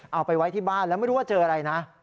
เอาไปไว้ที่บ้านแล้วไม่รู้ว่าเจออะไรนะ